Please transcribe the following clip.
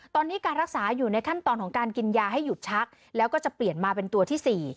ตอนนี้การรักษาอยู่ในขั้นตอนของการกินยาให้หยุดชักแล้วก็จะเปลี่ยนมาเป็นตัวที่๔